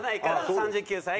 ３９歳で？